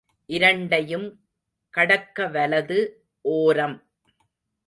இரண்டையும் கடக்க வலது ஓரம்.